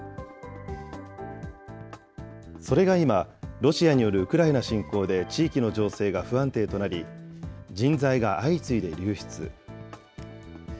それが今、ロシアによるウクライナ侵攻で地域の情勢が不安定となり、人材が相次いで流出。